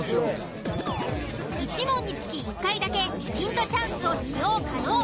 １問につき１回だけヒントチャンスを使用可能。